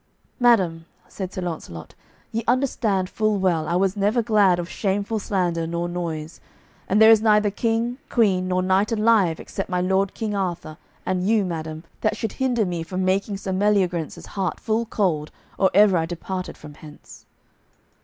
"Madam," said Sir Launcelot, "ye understand full well I was never glad of shameful slander nor noise; and there is neither king, queen, nor knight alive except my lord King Arthur and you, madam, that should hinder me from making Sir Meliagrance's heart full cold or ever I departed from hence."